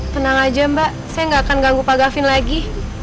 tenang aja mbak saya nggak akan ganggu pak gavin lagi